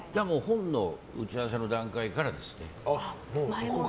本の打ち合わせの段階からですね。